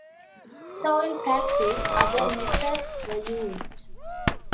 So in practice, other methods were used.